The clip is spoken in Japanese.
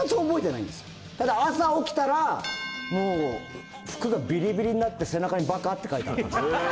ただ朝起きたらもう服がビリビリになって背中に「バカ」って書いてあったへえ